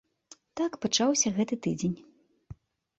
Так пачаўся гэты тыдзень.